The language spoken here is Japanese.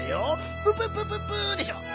「プププププ」でしょう？